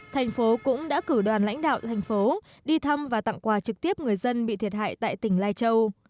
tp hcm cũng đã cử đoàn lãnh đạo tp hcm đi thăm và tặng quà trực tiếp người dân bị thiệt hại tại tỉnh lai châu